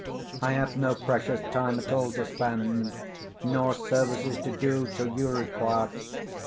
I have no precious time at all to spend; Nor services to do, till you require.